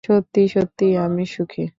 সত্যিই, সত্যিই আমি সুখী।